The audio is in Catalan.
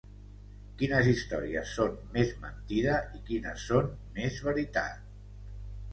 Quines històries són més mentida i quines són més veritat.